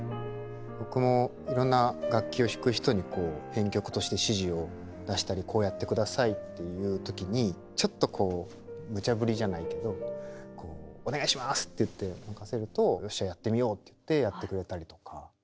僕もいろんな楽器を弾く人に編曲として指示を出したりこうやってくださいって言う時にちょっとムチャぶりじゃないけど「お願いします！」って言って任せると「よっしゃやってみよう」って言ってやってくれたりとか。